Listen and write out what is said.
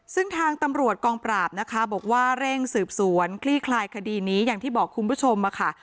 ซึ่งทางตำรวจกองปราบนะคะบอกว่าเร่งสืบสวนคลี่คลายคดีนี้อย่างที่บอกคุณผู้ชมมาค่ะ